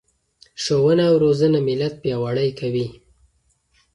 ښوونه او روزنه ملت پیاوړی کوي.